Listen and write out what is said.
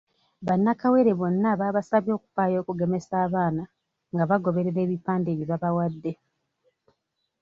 Bannakawere bonna babasabye okufaayo okugemesa abaana nga bagoberera ebipande bye babawadde.